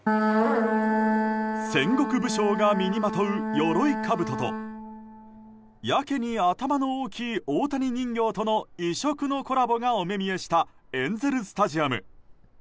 戦国武将が身にまとうよろいかぶととやけに頭の大きい大谷人形との異色のコラボがお目見えしたエンゼル・スタジアム。